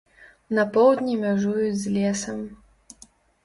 На поўдні мяжуюць з лесам.